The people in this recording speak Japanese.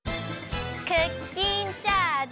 クッキンチャージ！